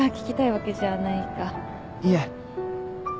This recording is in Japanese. いえ。